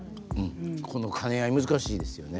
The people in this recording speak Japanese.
この兼ね合い難しいですよね。